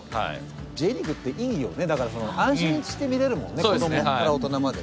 Ｊリーグっていいよねだから安心して見れるもんね子どもから大人までね。